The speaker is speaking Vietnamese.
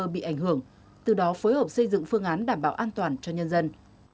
bị ảnh hưởng từ đó phối hợp xây dựng phương án đảm bảo an toàn cho nhân dân